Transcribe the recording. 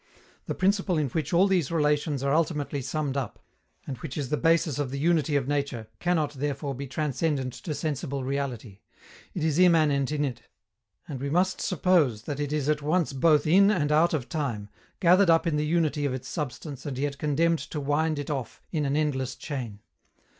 The principle in which all these relations are ultimately summed up, and which is the basis of the unity of nature, cannot, therefore, be transcendent to sensible reality; it is immanent in it, and we must suppose that it is at once both in and out of time, gathered up in the unity of its substance and yet condemned to wind it off in an endless chain.